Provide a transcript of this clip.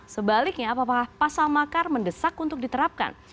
sebaliknya apakah pasal makar mendesak untuk diterapkan